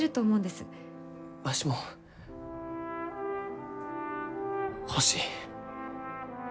わしも欲しい。